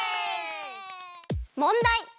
もんだい！